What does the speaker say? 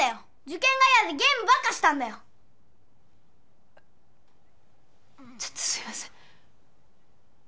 受験が嫌でゲームばっかしたんだよちょっとすいません